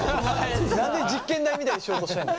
何で実験台みたいにしようとしてんの？